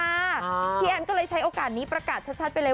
กดอย่างวัยจริงเห็นพี่แอนทองผสมเจ้าหญิงแห่งโมงการบันเทิงไทยวัยที่สุดค่ะ